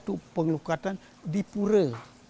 ada pengelukatan di pura